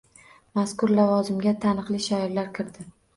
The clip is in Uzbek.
Mazkur lavozimga taniqli shoirlar kirdi.